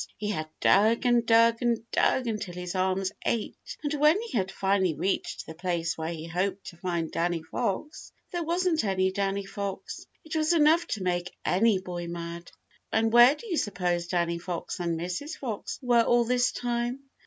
He had dug and dug and dug until his arms ached, and when he had finally reached the place where he hoped to find Danny Fox, there wasn't any Danny Fox. It was enough to make any boy mad. And where do you suppose Danny Fox and Mrs. Fox were all this time?